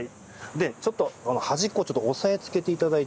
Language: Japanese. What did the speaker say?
でちょっと端っこを押さえつけて頂いて。